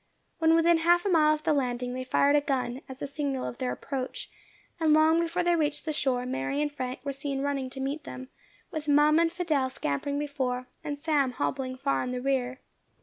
When within half a mile of the landing, they fired a gun, as a signal of their approach; and long before they reached the shore, Mary and Frank were seen running to meet them, with Mum and Fidelle scampering before, and Sam hobbling far in the rear.